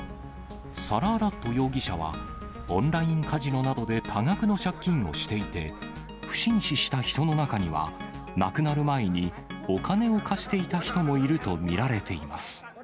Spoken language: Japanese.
サラーラット容疑者はオンラインカジノなどで多額の借金をしていて、不審死した人の中には、亡くなる前にお金を貸していた人もいると見られています。